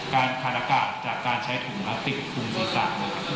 การขาดอากาศจากการใช้ถุงนักศึกษ์ภูมิศีรษะ